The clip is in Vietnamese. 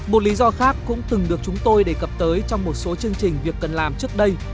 một lý do khác cũng từng được chúng tôi đề cập tới trong một số chương trình việc cần làm trước đây